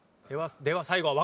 「では最後は」